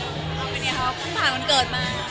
สวัสดีครับพรุ่งผ่านวันเกิดมา